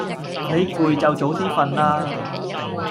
你攰就早啲瞓啦